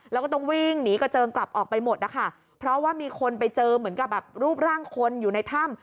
แล้วก็ต้องวิ่งหนีกระเจิงกลับออกไปหมดนะคะเพราะว่ามีคนไปเจอเหมือนกับแบบรูปร่างคนอยู่ในถ้ำ